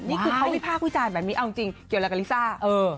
นี่คือเขาวิพากษ์วิจารณ์แบบนี้เอาจริงเกี่ยวอะไรกับลิซ่า